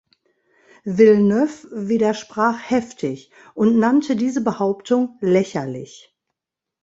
Villeneuve widersprach heftig und nannte diese Behauptung „lächerlich“.